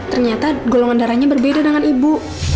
ternyata golongan darahnya berbeda dengan ibu